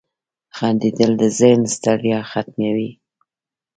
• خندېدل د ذهن ستړیا ختموي.